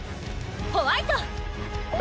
ホワイト！